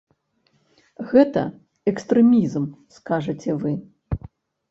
Гэта экстрэмізм, скажаце вы.